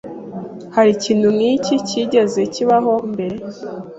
Hari ikintu nk'iki cyigeze kibaho mbere?